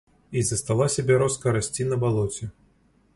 І засталася бярозка расці на балоце.